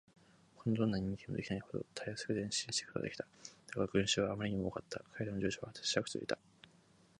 ほかのどんな人間にもできないほどたやすく前進していくことができた。だが、群集はあまりにも多かった。彼らの住居は果てしなくつづいていた。